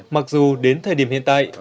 mặc dù đến thời điểm hiện tại